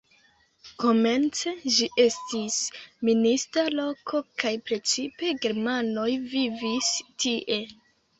Komence ĝi estis minista loko kaj precipe germanoj vivis tie.